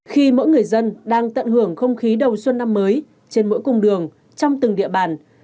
khi mỗi người dân đang tận hưởng không khí đầu xuân năm mới trên mỗi cung đường trong từng địa bàn